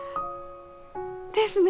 ですね。